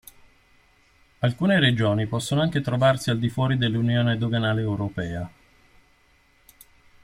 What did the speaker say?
Alcune regioni possono anche trovarsi al di fuori dell'unione doganale europea.